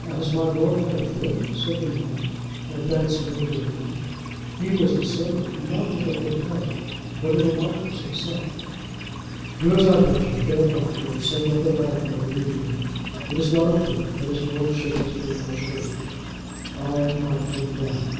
"Has my lord had a fit?" said the man, advancing into the room. He was the servant, not of the hotel, but of the Marquis himself. "Do as I bid you; get a doctor and send up the landlord immediately. It is not a fit, but his lordship has been much hurt. I knocked him down."